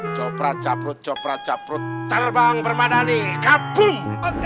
copra caprut copra caprut terbang bermadani kabung